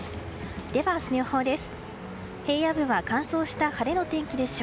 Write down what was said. では、明日の予報です。